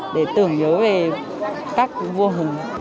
để tưởng nhớ về các vua hùng